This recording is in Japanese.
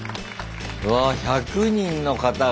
うわあ１００人の方が。